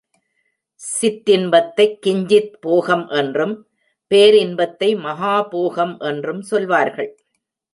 சிற்றின்பத்தைக் கிஞ்சித் போகம் என்றும், பேரின்பத்தை மகா போகம் என்றும் சொல்வார்கள்.